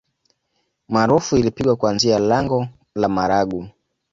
Maarufu ilipigwa kuanzia lango la marangu